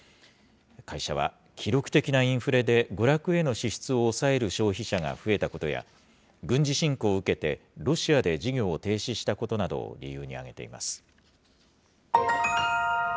会社は、記録的なインフレで娯楽への支出を抑える消費者が増えたことや、軍事侵攻を受けて、ロシアで事業を停止したことなどを理由に挙げています。